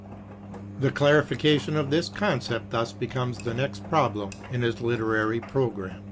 The clarification of this concept thus becomes the next problem in his literary program.